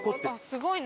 すごい。